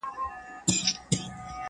له ښار او کلي وتلی دم دی!!